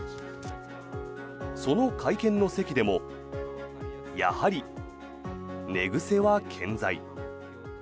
その会見の席でもやはり寝癖は健在。